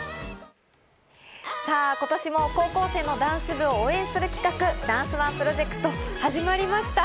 さぁ、今年も高校生のダンス部を応援する企画ダンスＯＮＥプロジェクト、始まりました。